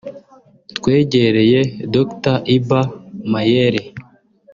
twegereye Dr Iba Mayere